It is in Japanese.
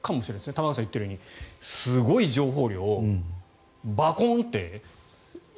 玉川さんが言っているようにすごい情報量をバコンってえ？